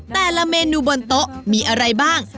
แต่ละเมนูบนโต๊ะมีอะไรบ้าง